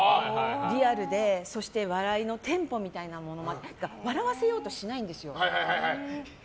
リアルで、そして笑いのテンポみたいなものが笑わせようとしないんですよ。